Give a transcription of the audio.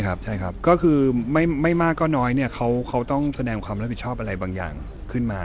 ใช่ครับก็คือไม่มากก็น้อยเนี่ยเขาต้องแสดงความรับผิดชอบอะไรบางอย่างขึ้นมา